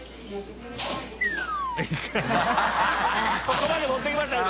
ここまで持っていきましたけど。